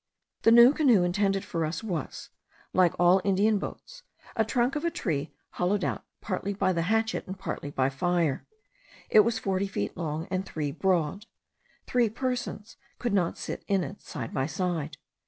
The new canoe intended for us was, like all Indian boats, a trunk of a tree hollowed out partly by the hatchet and partly by fire. It was forty feet long, and three broad. Three persons could not sit in it side by side.